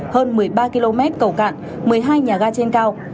hơn một mươi ba km cầu cạn một mươi hai nhà ga trên cao